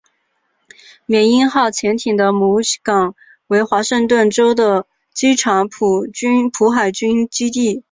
缅因号潜艇的母港为华盛顿州的基察普海军基地。